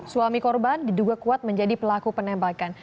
suami korban diduga kuat menjadi pelaku penembakan